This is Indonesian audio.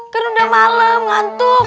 kan udah malem ngantuk